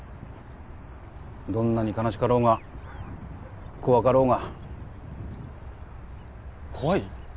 どんなに悲しかろうが怖かろうが怖い？